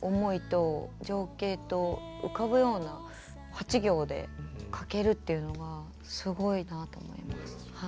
思いと情景と浮かぶような８行で書けるっていうのはすごいなあと思います。